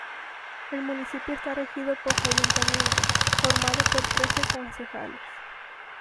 El municipio está regido por su ayuntamiento, formado por trece concejales.